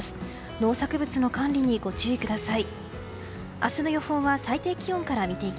農作物の管理にご注意ください。